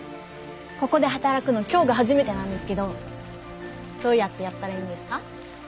ここで働くの今日が初めてなんですけどどうやってやったらいいんですか？